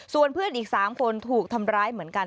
ส่วนเพื่อนอีก๓คนถูกทำร้ายเหมือนกัน